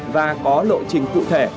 và có lộ trình cụ thể